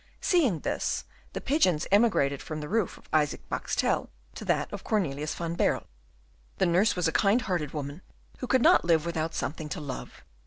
Seeing this, the pigeons emigrated from the roof of Isaac Boxtel to that of Cornelius van Baerle. The nurse was a kind hearted woman, who could not live without something to love.